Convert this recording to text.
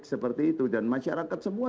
seperti itu dan masyarakat semua